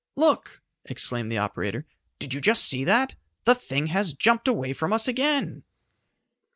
"Look!" exclaimed the operator. "Did you just see that? The thing has jumped away from us again!"